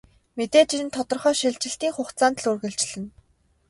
Мэдээж энэ нь тодорхой шилжилтийн хугацаанд л үргэлжилнэ.